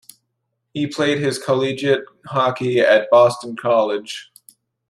He played his collegiate hockey at Boston College.